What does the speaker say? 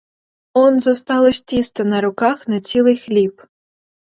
Он зосталось тіста на руках на цілий хліб.